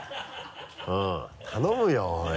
うん頼むよおい。